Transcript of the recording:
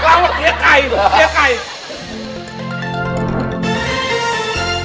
เราก็แยกไก่แยกไก่